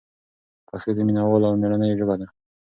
پښتو د مینه والو او مېړنیو ژبه ده.